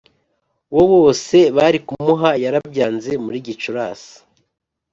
wo wose bari kumuha Yarabyanze Muri Gicurasi